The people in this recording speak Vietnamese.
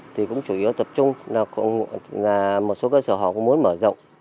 thì cũng chủ yếu tập trung là một số cơ sở họ cũng muốn mở rộng